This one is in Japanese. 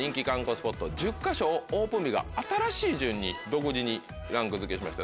スポット１０か所をオープン日が新しい順に独自にランク付けしました。